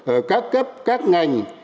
ở các cấp các ngành